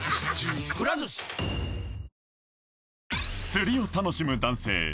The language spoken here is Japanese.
釣りを楽しむ男性